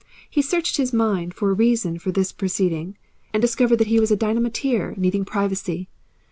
He searched his mind for a reason for this proceeding and discovered that he was a dynamiter needing privacy.